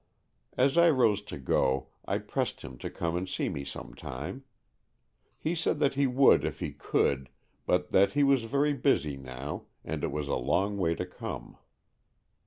As I rose to go I pressed him to come and see n e some time. He said that he would if AN EXCHANGE OF SOULS 63 he could, but that he was very busy now, and it was a long way to come.